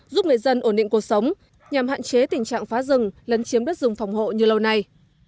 giúp người dân ổn định cuộc sống nhằm hạn chế tình trạng phá rừng lấn chiếm đất rừng phòng hộ như lâu nay